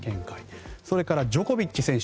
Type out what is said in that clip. それからジョコビッチ選手